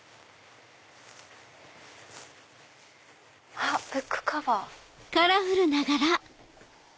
あっブックカバー！